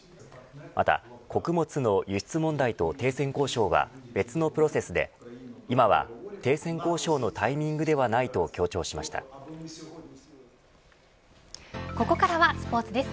また穀物の輸出問題と停戦交渉は別のプロセスで今は停戦交渉のタイミングではないとここからはスポーツです。